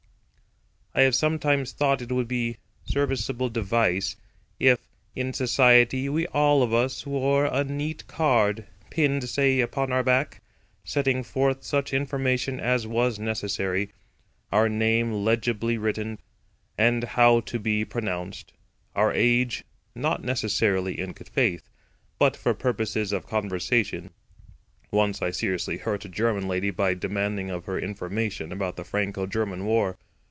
I have sometimes thought it would be a serviceable device if, in Society, we all of us wore a neat card—pinned, say, upon our back—setting forth such information as was necessary; our name legibly written, and how to be pronounced; our age (not necessarily in good faith, but for purposes of conversation. Once I seriously hurt a German lady by demanding of her information about the Franco German war.